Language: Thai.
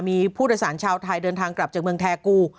มีผู้โดยสารชาวไทยเดินทางกลับจากเมืองแทกู